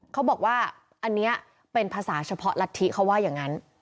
เขาบอกว่าอันนี้เป็นภาษาเฉพาะลัทธิเขาว่าอย่างนั้น